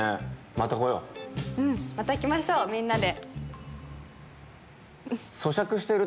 また来ましょうみんなで。